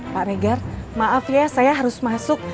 pak regar maaf ya saya harus masuk